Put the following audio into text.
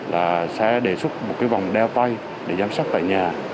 là sẽ đề xuất một cái vòng đeo tay để giám sát tại nhà